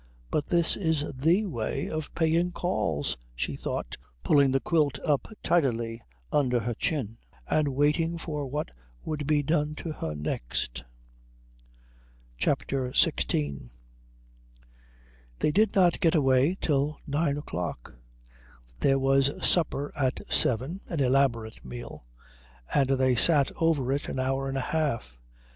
"But this is the way of paying calls," she thought, pulling the quilt up tidily under her chin and waiting for what would be done to her next. CHAPTER XVI They did not get away till nine o'clock. There was supper at seven, an elaborate meal, and they sat over it an hour and a half.